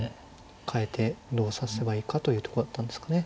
かえてどう指せばいいかというとこだったんですかね。